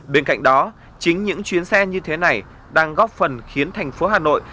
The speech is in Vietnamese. bên cạnh đó chính những chuyến xe như thế này đang góp phần khiến thành phố hà nội